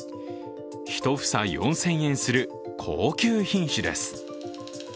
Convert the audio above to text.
１房４０００円する高級品種です。